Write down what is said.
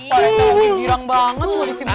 parete mau kejirang banget mau disimpen